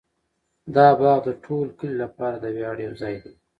دا باغ د ټول کلي لپاره د ویاړ یو ځای دی.